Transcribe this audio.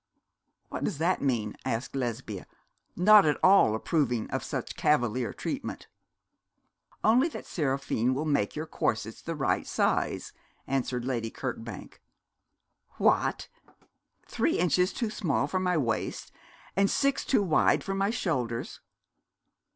'What does that mean?' asked Lesbia, not at all approving of such cavalier treatment. 'Only that Seraphine will make your corsets the right size,' answered Lady Kirkbank. 'What? Three inches too small for my waist, and six too wide for my shoulders?'